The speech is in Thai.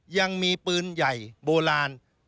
ยังมีปืนใหญ่โบราณ